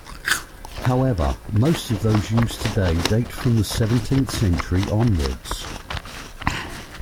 However, most of those used today date from the seventeenth century onwards.